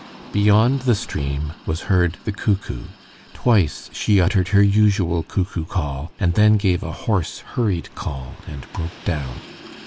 Beyond the stream was heard the cuckoo. Twice she uttered her usual cuckoo call, and then gave a hoarse, hurried call and broke down.